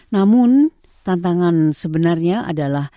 namun tantangan sebenarnya adalah